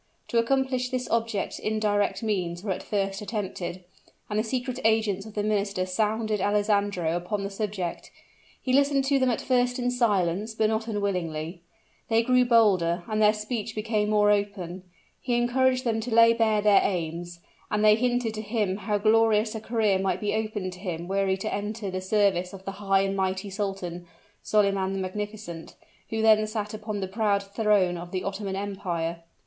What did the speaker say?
To accomplish this object indirect means were at first attempted; and the secret agents of the minister sounded Alessandro upon the subject. He listened to them at first in silence, but not unwillingly. They grew bolder, and their speech became more open. He encouraged them to lay bare their aims; and they hinted to him how glorious a career might be opened to him were he to enter the service of the high and mighty sultan, Solyman the Magnificent, who then sat upon the proud throne of the Ottoman Empire.